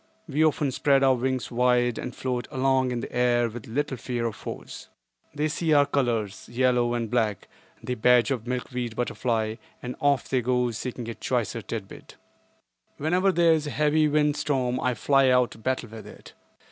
We often spread our wings wide and float along in the air with little fear of foes. They see our colors—yellow and black, the badge of the milkweed butterfly—and off they go seeking a choicer tidbit. Whenever there is a heavy wind storm I fly out to battle with it.